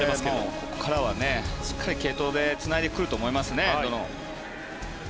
ここからはしっかり継投でつないでくると思いますね。